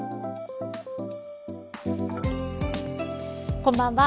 こんばんは。